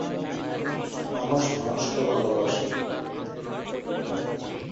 বিমান সংস্থাটি অভ্যন্তরীণ এবং আন্তর্জাতিক রুটে কার্গো ফ্লাইট পরিচালনা করে।